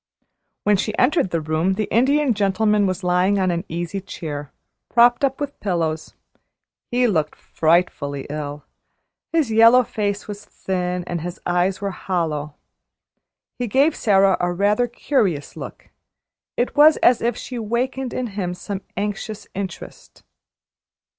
When she entered the room the Indian Gentleman was lying on an easy chair, propped up with pillows. He looked frightfully ill. His yellow face was thin, and his eyes were hollow. He gave Sara a rather curious look it was as if she wakened in him some anxious interest.